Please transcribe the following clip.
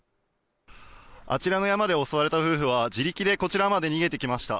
あちらの山で襲われた夫婦は自力でこちらまで逃げてきました。